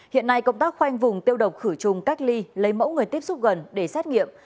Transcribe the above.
hiện nay công tác khoanh vùng tiêu độc khử trùng cách ly lấy mẫu người tiếp xúc gần để xét nghiệm